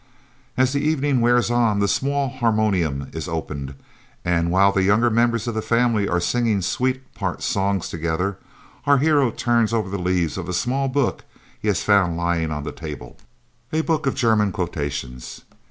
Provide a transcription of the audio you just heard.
As the evening wears on, the small harmonium is opened, and while the younger members of the family are singing sweet part songs together, our hero turns over the leaves of a small book he has found lying on the table, a book of German quotations.